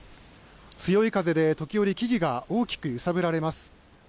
強い風で時折木々が大きく揺さぶられます。